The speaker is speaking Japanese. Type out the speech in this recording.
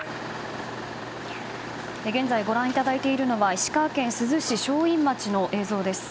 現在ご覧いただいているのは石川県珠洲市正院町の映像です。